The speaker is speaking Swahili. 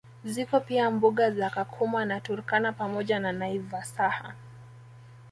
Zipo pia mbuga za Kakuma na Turkana pamoja na Naivasaha